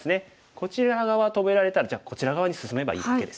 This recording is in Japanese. こちら側止められたらじゃあこちら側に進めばいいだけです。